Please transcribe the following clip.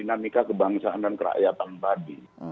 dinamika kebangsaan dan kerakyatan tadi